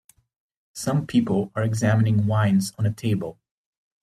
Some people are examining wines on a table.